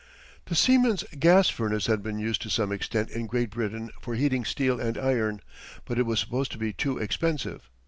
The Siemens Gas Furnace had been used to some extent in Great Britain for heating steel and iron, but it was supposed to be too expensive.